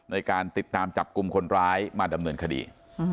ในการติดตามจับกลุ่มคนร้ายมาดำเนินคดี